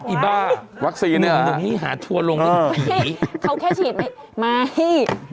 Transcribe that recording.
ไอ้บ้าโดนอย่างนี้หาทัวร์ลงเป็นกี่เขาแค่ฉีดไม่ไม่